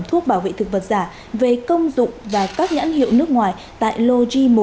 thuốc bảo vệ thực vật giả về công dụng và các nhãn hiệu nước ngoài tại lô g một